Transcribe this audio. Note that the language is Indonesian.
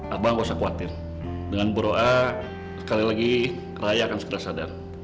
abang nggak usah khawatir dengan berdoa sekali lagi raya akan segera sadar